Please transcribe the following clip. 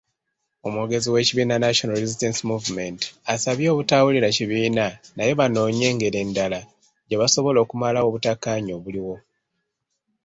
Omwogezi w'ekibiina National Resistance Movement asabye obutaabulira kibiina naye banoonye engeri endala gyebasobola okumalawo obutakkanya obuliwo.